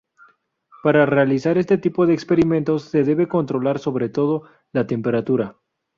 Para realizar este tipo de experimentos se debe controlar sobre todo la temperatura.